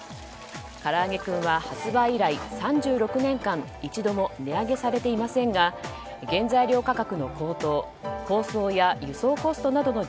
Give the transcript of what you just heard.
からあげクンは発売以来３６年間一度も値上げされていませんが原材料価格の高騰包装や輸送コストなどの